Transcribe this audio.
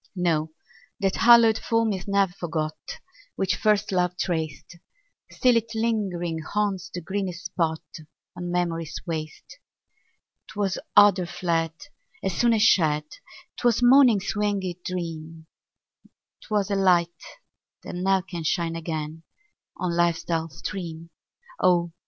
No, that hallowed form is ne'er forgot Which first love traced; Still it lingering haunts the greenest spot On memory's waste. 'Twas odor fled As soon as shed; 'Twas morning's winged dream; 'Twas a light, that ne'er can shine again On life's dull stream: Oh!